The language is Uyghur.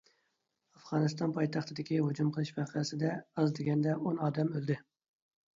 ئافغانىستان پايتەختىدىكى ھۇجۇم قىلىش ۋەقەسىدە ئاز دېگەندە ئون ئادەم ئۆلدى.